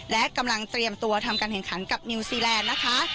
และกำลังเตรียมตัวทำการแข่งขันกับนิวซีแลนด์นะคะ